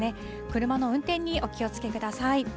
車の運転にお気をつけください。